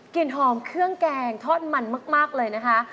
หอมเครื่องแกงทอดมันมากเลยนะคะ